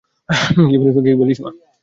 কী বলিস মা?